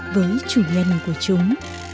với chủ nhân của chúng